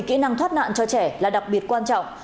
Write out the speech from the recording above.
kỹ năng thoát nạn cho trẻ là đặc biệt quan trọng